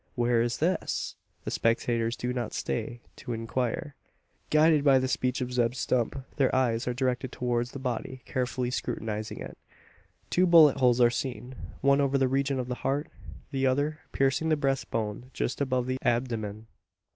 Where is this? The spectators do not stay to inquire. Guided by the speech of Zeb Stump, their eyes are directed towards the body, carefully scrutinising it. Two bullet holes are seen; one over the region of the heart; the other piercing the breast bone just above the abdomen.